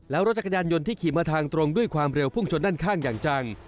แล้วรถจักรยานยนต์ที่ขี่มาทางตรงด้วยความเร็วพุ่งชนด้านข้างอย่างจัง